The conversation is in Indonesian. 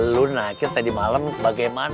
lo nanya tadi malem bagaimana